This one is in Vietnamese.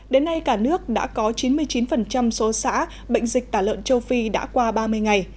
đến nay cả nước đã có chín mươi chín số xã bệnh dịch tả lợn châu phi đã qua ba mươi ngày